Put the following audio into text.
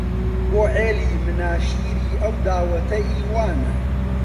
بۆ عێلی مناشیری ئەو داوەتە ئی وانە